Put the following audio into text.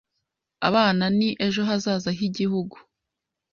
Abana ni ejo hazaza h’Igihugu,